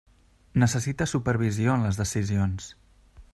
Necessita supervisió en les decisions.